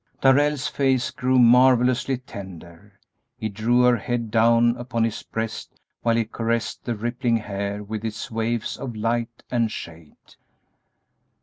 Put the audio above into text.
Darrell's face grew marvellously tender; he drew her head down upon his breast while he caressed the rippling hair with its waves of light and shade.